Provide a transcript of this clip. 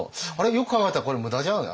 よく考えたらこれ無駄じゃない？